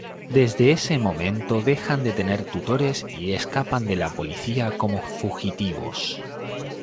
Desde ese momento dejan de tener tutores, y escapan de la policía como fugitivos.